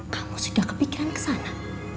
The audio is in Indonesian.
kamu sudah kepikiran kesana